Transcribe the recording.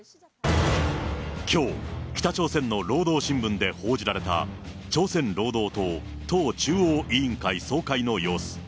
きょう、北朝鮮の労働新聞で報じられた、朝鮮労働党党中央委員会総会の様子。